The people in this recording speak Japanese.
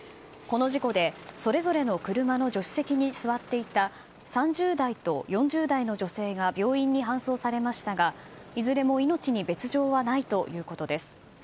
この事故で、それぞれの車の助手席に座っていた３０代と４０代の女性が病院に搬送されましたがいずれも命に別条はないということです。